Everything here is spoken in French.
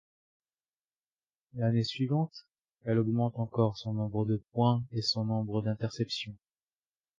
L'année suivante, elle augmente encore son nombre de points et son nombre d'interceptions.